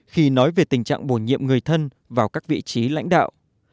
khi nói về tình trạng bổ nhiệm người thân vào các vị trí lãnh đạo